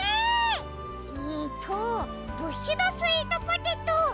えっとブッシュドスイートポテト。